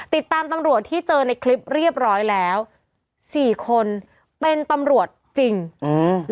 ตำรวจที่เจอในคลิปเรียบร้อยแล้วสี่คนเป็นตำรวจจริงอืม